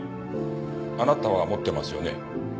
あなたは持ってますよね？